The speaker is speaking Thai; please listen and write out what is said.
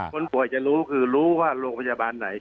คนป่วยจะรู้คือรู้ว่าโรงพยาบาลไหน